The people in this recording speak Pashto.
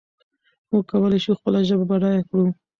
موږ کولای شو خپله ژبه بډایه کړو.